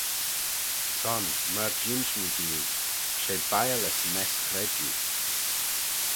Son, myr jinsh mee diu, she biallys mess chredjue.